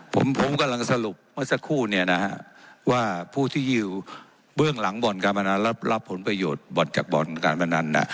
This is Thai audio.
ผมผมกำลังสรุปเมื่อสักครู่เนี่ยนะฮะว่าผู้ที่อยู่เบื้องหลังบ่อนการพนันรับผลประโยชน์บ่อนจากบ่อนการพนัน